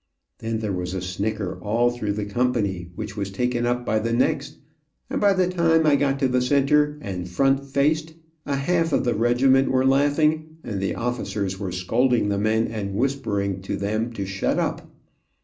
Then there was a snicker all through the company, which was taken up by the next, and by the time I got to the center, and "front faced," a half of the regiment were laughing, and the officers were scolding the men and whispering to them to shut up.